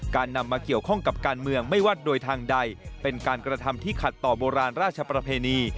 นำมาเกี่ยวข้องกับการเมืองไม่ว่าโดยทางใดเป็นการกระทำที่ขัดต่อโบราณราชประเพณี